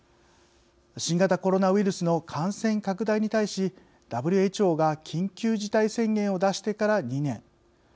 新型コロナウイルスの感染拡大に対し、ＷＨＯが緊急事態宣言を出してから２年。